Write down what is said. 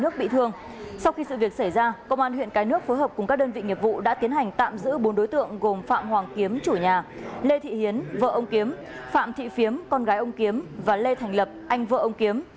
công an huyện cái nước phối hợp cùng các đơn vị nghiệp vụ đã tiến hành tạm giữ bốn đối tượng gồm phạm hoàng kiếm chủ nhà lê thị hiến vợ ông kiếm phạm thị phiếm con gái ông kiếm và lê thành lập anh vợ ông kiếm